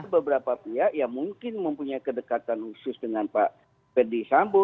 beberapa pihak yang mungkin mempunyai kedekatan khusus dengan pak ferdi sambo